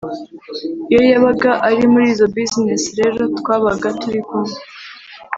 iyo yabaga ari muri izo business rero twabaga turi kumwe